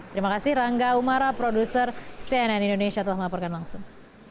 terima kasih rangga umara produser cnn indonesia telah melaporkan langsung